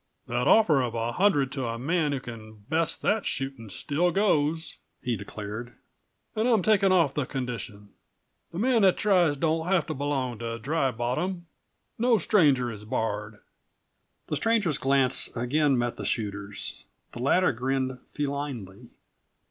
"That offer of a hundred to the man who can beat that shootin' still goes," he declared. "An' I'm taking off the condition. The man that tries don't have to belong to Dry Bottom. No stranger is barred!" The stranger's glance again met the shooter's. The latter grinned felinely.